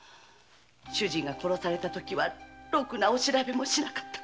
主人が殺されたときはろくなお調べもしなかったくせに。